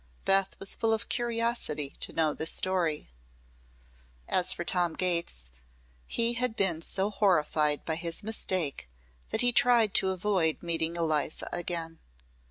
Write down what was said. Beth was full of curiosity to know this story. As for Tom Gates, he had been so horrified by his mistake that he tried to avoid meeting Eliza again.